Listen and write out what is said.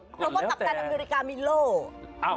เพราะว่ากัปตันอเมริกามิโล